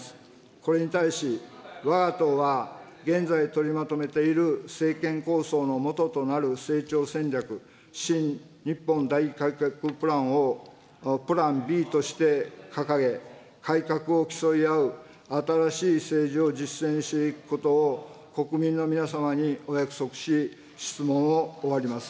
これに対しわが党は現在取りまとめている、政権構想の基となる成長戦略、新・日本大改革プランをプランＢとして掲げ改革を競い合う新しい政治を実践していくことを国民の皆様にお約束し、質問を終わります。